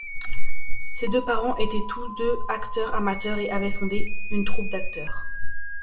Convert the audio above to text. Ses deux parents étaient tous deux acteurs amateurs et avaient fondé une troupe d'acteurs.